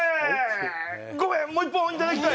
ごめんもう一本いただきたい